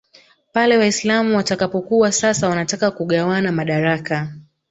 pale Waislam watakapokuwa sasa wanataka kugawana madaraka